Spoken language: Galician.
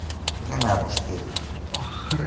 Quen é vostede?